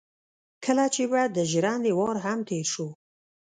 کله چې به د ژرندې وار هم تېر شو.